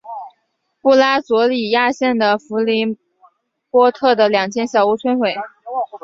布拉佐里亚县的弗里波特的两间小屋摧毁。